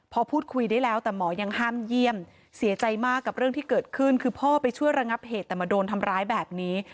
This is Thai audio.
พอพูดคุยได้แล้วแต่หมอยังห้ามเยี่ยมเสียใจมากกับเรื่องที่เกิดขึ้นคือพ่อไปช่วยระงับเหตุแต่มาโดนทำร้ายแบบนี้